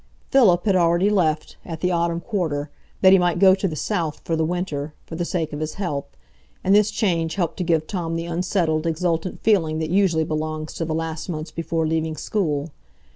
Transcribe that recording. Philip had already left,—at the autumn quarter,—that he might go to the south for the winter, for the sake of his health; and this change helped to give Tom the unsettled, exultant feeling that usually belongs to the last months before leaving school.